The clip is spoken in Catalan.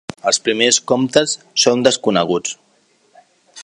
Els primers comtes són desconeguts.